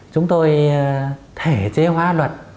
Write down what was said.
chúng tôi thể chế hoá luật